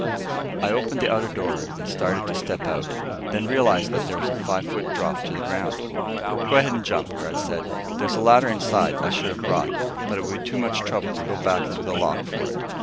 I opened the outer door and started to step out, then realized that there was a five foot drop to the ground. "Go ahead and jump," Garth said. "There's a ladder inside I should have brought, but it would be too much trouble to go back through the lock for it.